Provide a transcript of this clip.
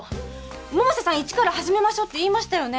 百瀬さんイチから始めましょうって言いましたよね